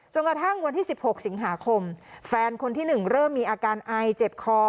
กระทั่งวันที่๑๖สิงหาคมแฟนคนที่๑เริ่มมีอาการไอเจ็บคอ